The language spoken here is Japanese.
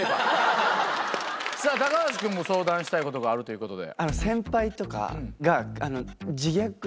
橋君も相談したいことがあるということで。